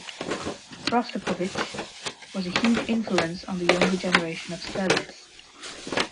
Rostropovich was a huge influence on the younger generation of cellists.